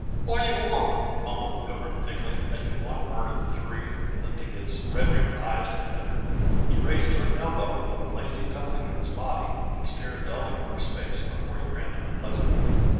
"What yuh want?" mumbled the Pilgrim thickly, making one word of the three and lifting his red rimmed eyes to the other. He raised to an elbow with a lazy doubling of his body and stared dully for a space before he grinned unpleasantly.